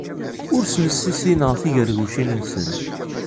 Ur asen-ssissineɣ tigargucin-nsen.